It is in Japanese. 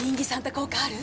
効果ある？